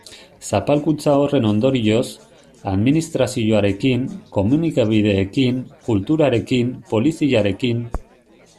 Zapalkuntza horren ondorioz, administrazioarekin, komunikabideekin, kulturarekin, poliziarekin...